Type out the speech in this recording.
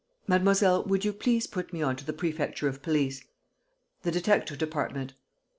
... Mademoiselle, would you please put me on to the Prefecture of Police ... the detective department.